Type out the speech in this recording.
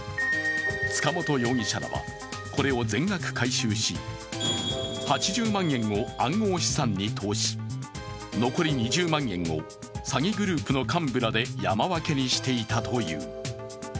塚本容疑者らは、これを全額回収し８０万円を暗号資産に投資、残り２０万円を詐欺グループの幹部らで山分けにしていたという。